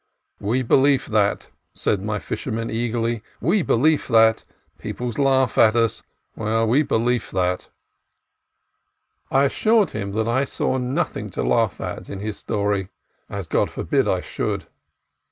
"We belief that," said my fisherman eagerly ;" we belief that. Peoples laugh at us; well; we belief that." THE AVILAS OF AVILA 145 I assured him that I saw nothing to laugh at in his story; as God forbid I should.